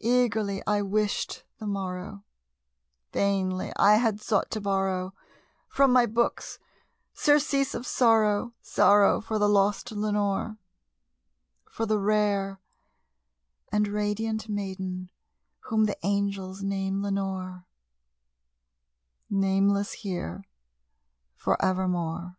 Eagerly I wished the morrow; vainly I had sought to borrow From my books surcease of sorrow sorrow for the lost Lenore For the rare and radiant maiden whom the angels name Lenore Nameless here for evermore.